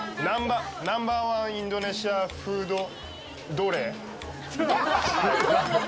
ナンバー１インドネシアフード、どれ？